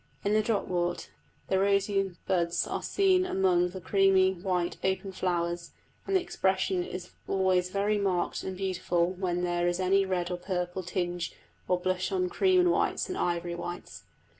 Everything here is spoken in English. In the dropwort the rosy buds are seen among the creamy white open flowers; and the expression is always very marked and beautiful when there is any red or purple tinge or blush on cream whites and ivory whites.